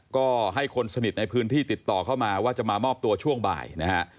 ก็ให้คนสนิทในพื้นที่ติดต่อเข้ามาว่าจะมามอบตัวช่วงบ่ายนะฮะ